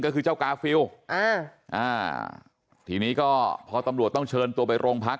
ก็คือเจ้ากาฟิลอ่าอ่าทีนี้ก็พอตำรวจต้องเชิญตัวไปโรงพัก